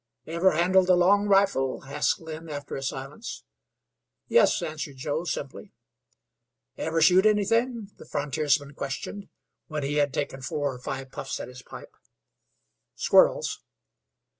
"Ever handle the long rifle?" asked Lynn, after a silence. "Yes," answered Joe, simply. "Ever shoot anythin'?" the frontiersman questioned, when he had taken four or five puffs at his pipe. "Squirrels."